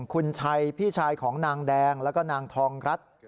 คุณชัยพี่ชายของนางแดงแล้วก็นางทองรัฐ